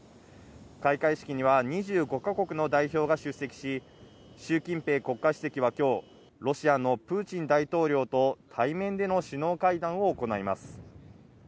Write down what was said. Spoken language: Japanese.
開会式には２５か国の代表が出席し、シュウ・キンペイ国家主席は今日、ロシアのプーチン大統領と対面での首脳会談を行います。